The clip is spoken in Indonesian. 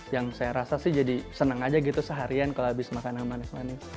yang saya rasa sih jadi senang aja gitu seharian kalau habis makanan manis manis